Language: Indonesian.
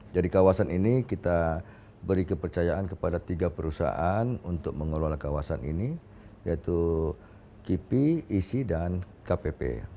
jadi kawasan ini kita beri kepercayaan kepada tiga perusahaan untuk mengelola kawasan ini yaitu kipi isi dan kpp